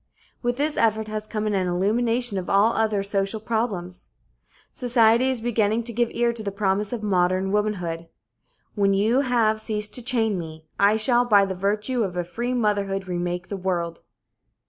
With this effort has come an illumination of all other social problems. Society is beginning to give ear to the promise of modern womanhood: "When you have ceased to chain me, I shall by the virtue of a free motherhood remake the world."